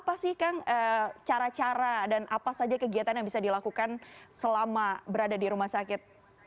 apa sih kang cara cara dan apa saja kegiatan yang bisa dilakukan selama berada di rumah sakit